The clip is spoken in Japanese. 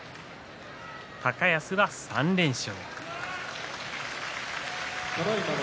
高安は３連勝。